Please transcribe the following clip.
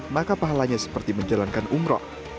maka pahalanya seperti menjalankan umroh